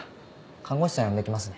看護師さん呼んで来ますね。